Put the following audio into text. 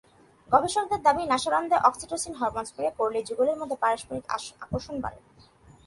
গবেষকেদের দাবি, নাসারন্ধ্রে oxytocin hormone spray করলে যুগলের মধ্যে পারস্পরিক আকর্ষণ বাড়ে।